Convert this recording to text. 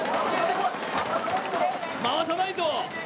回さないぞ。